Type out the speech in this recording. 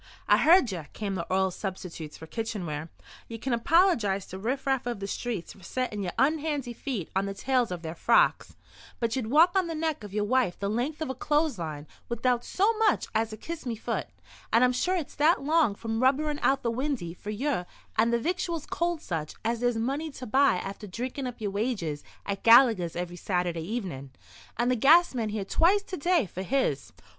"I heard ye," came the oral substitutes for kitchenware. "Ye can apollygise to riff raff of the streets for settin' yer unhandy feet on the tails of their frocks, but ye'd walk on the neck of yer wife the length of a clothes line without so much as a 'Kiss me fut,' and I'm sure it's that long from rubberin' out the windy for ye and the victuals cold such as there's money to buy after drinkin' up yer wages at Gallegher's every Saturday evenin', and the gas man here twice to day for his."